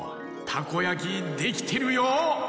たこやきできてるよ。